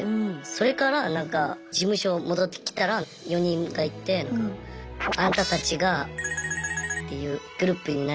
それからなんか事務所戻ってきたら４人がいて「あんたたちがっていうグループになるよ」って言われました。